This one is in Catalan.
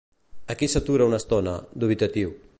Aquí s'atura una estona, dubitatiu.